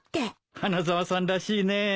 花沢さんらしいね。